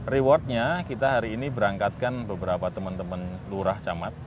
rewardnya kita hari ini berangkatkan beberapa teman teman lurah camat